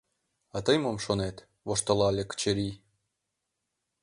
— А тый мо шонет? — воштылале Качырий.